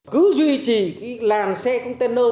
cứ duy trì cái làn xe container